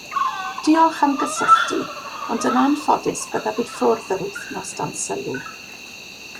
Diolch am gysylltu, ond yn anffodus byddaf i ffwrdd yr wythnos dan sylw.